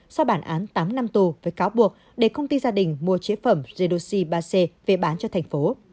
sau bản án tám năm tù với cáo buộc để công ty gia đình mua chế phẩm jedoxi ba c về bán cho thành phố